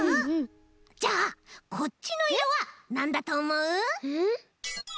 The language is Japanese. じゃあこっちのいろはなんだとおもう？